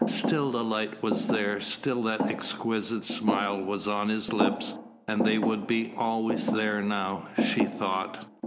Still the light was there, still that exquisite smile was on his lips. And they would be always there now, she thought.